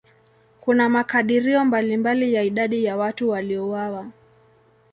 Kuna makadirio mbalimbali ya idadi ya watu waliouawa.